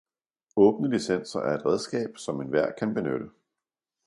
Åbne licenser er et redskab som enhver kan benytte.